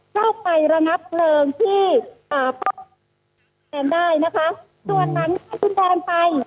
เข้าไประนับเกริงที่อ่าได้นะคะส่วนนั้นถึงแบบนั้นไป